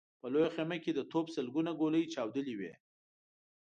په لويه خيمه کې د توپ سلګونه ګولۍ چاودلې وې.